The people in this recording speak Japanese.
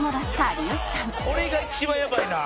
「これが一番やばいな」